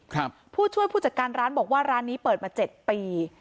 ผู้ช่วยผู้จัดการร้านบอกว่าร้านนี้เปิดมาเจ็ดปี